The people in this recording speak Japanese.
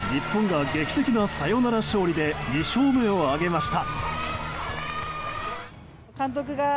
日本が劇的なサヨナラ勝利で２勝目を挙げました。